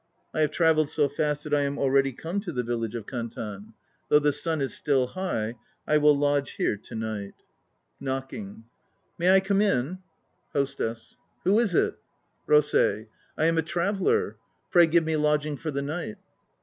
I have travelled so fast that I am already come to the village of Kantan. Though the sun is still high, I will lodge here to night (Knocking.) May I come in? HOSTESS. Who is it? ROSEI. I am a traveller; pray give me lodging for the night.